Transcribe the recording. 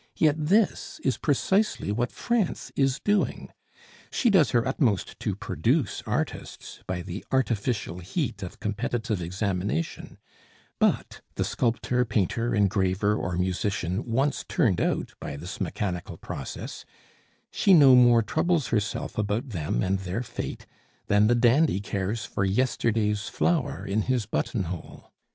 Yet this is precisely what France is doing. She does her utmost to produce artists by the artificial heat of competitive examination; but, the sculptor, painter, engraver, or musician once turned out by this mechanical process, she no more troubles herself about them and their fate than the dandy cares for yesterday's flower in his buttonhole.